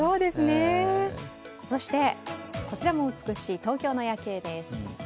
そしてこちらも美しい、東京の夜景です。